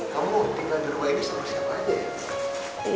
kamu tinggal di rumah ini sama siapa aja ya